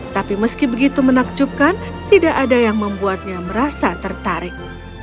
tapi meski begitu menakjubkan tidak ada yang membuatnya merasa tertarik